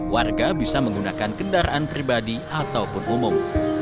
warga bisa menggunakan kendaraan pribadi ataupun umum